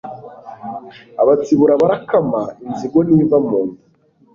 Abatsibura barakama Inzigo ntiva mu nda